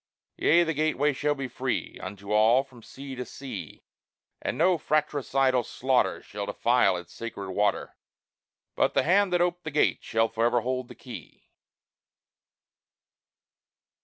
Yea, the gateway shall be free Unto all, from sea to sea; And no fratricidal slaughter Shall defile its sacred water; But the hand that ope'd the gate shall forever hold the key!